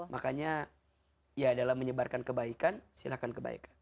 makanya ya dalam menyebarkan kebaikan silahkan kebaikan